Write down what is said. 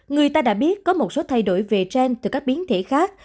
người ta đã biết có một số thay đổi về trend từ các biến thể khác